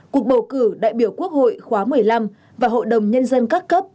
cuộc bầu cử đại biểu quốc hội khóa một mươi năm và hội đồng nhân dân các cấp